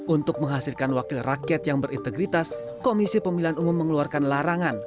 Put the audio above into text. untuk menghasilkan wakil rakyat yang berintegritas komisi pemilihan umum mengeluarkan larangan